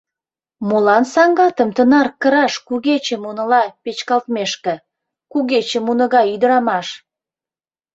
Молан саҥгатым тынар кыраш кугече муныла печкалтмешке, кугече муно гай ӱдырамаш?